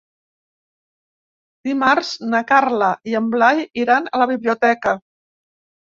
Dimarts na Carla i en Blai iran a la biblioteca.